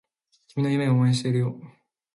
君の夢を応援しているよ